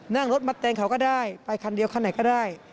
นั่งรถมาแต่งเขาก็ได้ไปคันเดียวคันไหนก็ได้